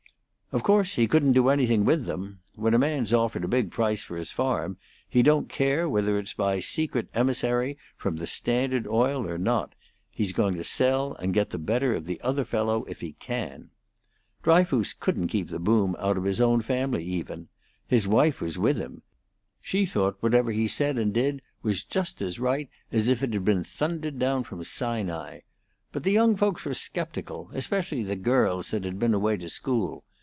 "Of course, he couldn't do anything with them. When a man's offered a big price for his farm, he don't care whether it's by a secret emissary from the Standard Oil or not; he's going to sell and get the better of the other fellow if he can. Dryfoos couldn't keep the boom out of his own family even. His wife was with him. She thought whatever he said and did was just as right as if it had been thundered down from Sinai. But the young folks were sceptical, especially the girls that had been away to school.